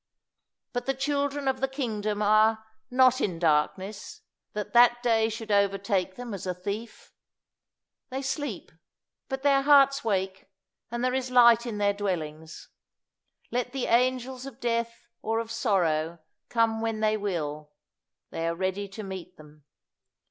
But the children of the kingdom are "not in darkness, that that day should overtake them as a thief." They sleep, but their hearts wake; and there is light in their dwellings. Let the angels of death or of sorrow come when they will, they are ready to meet them.